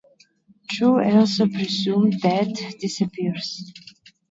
Chow, also presumed dead, disappears.